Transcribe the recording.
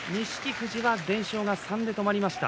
富士は連勝が３で止まりました。